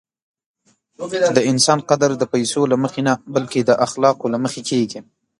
د انسان قدر د پیسو له مخې نه، بلکې د اخلاقو له مخې کېږي.